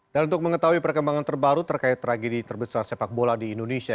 dan untuk mengetahui perkembangan terbaru terkait tragedi terbesar sepak bola di indonesia